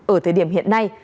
ở thời điểm hiện nay